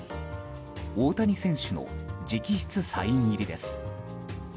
大谷選手の直筆サイン入りです。